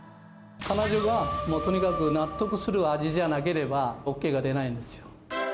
彼女が、もうとにかく納得する味じゃなければ、ＯＫが出ないんですよ。